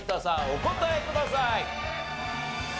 お答えください。